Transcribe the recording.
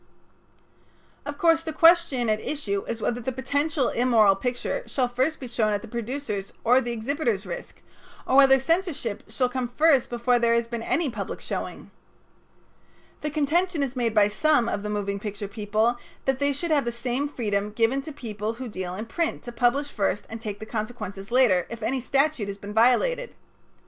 Of course the question at issue is whether the potential immoral picture shall first be shown at the producer's or the exhibitor's risk, or whether censorship shall come first before there has been any public showing. The contention is made by some of the moving picture people that they should have the same freedom given to people who deal in print to publish first and take the consequences later if any statute has been violated.